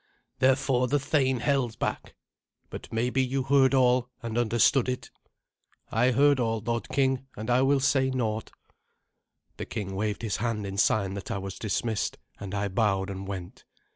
Therefore the thane held back. But maybe you heard all, and understood it." "I heard all, lord king, and I will say naught." The king waved his hand in sign that I was dismissed, and I bowed and went.